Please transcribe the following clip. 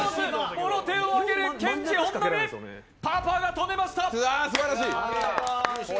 諸手を上げるケンジ・ホンナミパパが止めました。